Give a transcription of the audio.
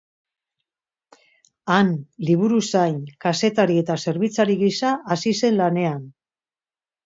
Han, liburuzain, kazetari eta zerbitzari gisa hasi zen lanean.